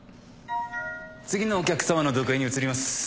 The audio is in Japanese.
次のお客さまの読影に移ります。